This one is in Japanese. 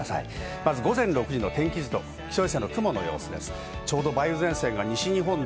まず午前６時の天気図と気象衛星の雲の様子です。